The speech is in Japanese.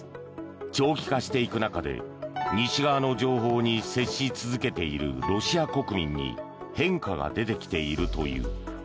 長期化していく中で西側の情報に接し続けているロシア国民に変化が出てきているという。